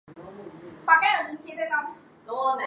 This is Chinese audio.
碲化铋用作热电装置中。